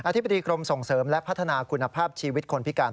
ธิบดีกรมส่งเสริมและพัฒนาคุณภาพชีวิตคนพิการ